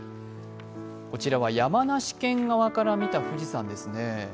こちらは山梨県側から見た富士山ですね。